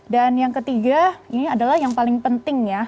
dan yang ketiga ini adalah yang paling penting ya